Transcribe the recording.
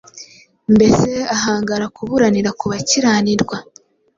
mbese ahangara kuburanira ku bakiranirwa?